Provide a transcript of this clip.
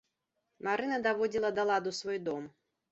Марына даводзіла да ладу свой дом.